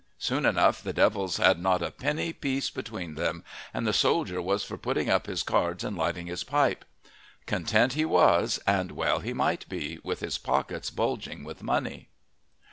Soon enough the devils had not a penny piece between them, and the soldier was for putting up his cards and lighting his pipe. Content he was, and well he might be, with his pockets bulging with money.